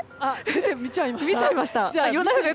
見ちゃいました？